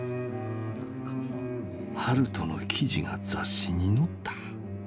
「悠人の記事が雑誌に載った。